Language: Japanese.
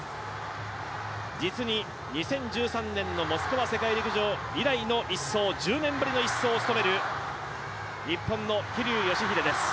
実に２０１３年のモスクワ世界陸上以来の１走、１０年ぶりの１走を務める日本の桐生祥秀です。